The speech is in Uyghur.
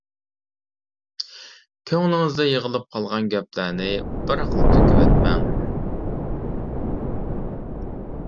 كۆڭلىڭىزدە يىغىلىپ قالغان گەپلەرنى بىراقلا تۆكۈۋەتمەڭ.